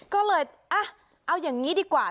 ก็เลยเอาอย่างนี้ดีกว่า